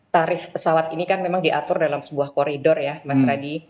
tarif pesawat ini kan memang diatur dalam sebuah koridor ya mas radi